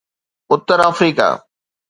Uttar Africa